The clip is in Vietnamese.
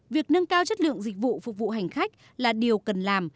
việc nâng cao chất lượng dịch vụ phục vụ hành khách là điều cần làm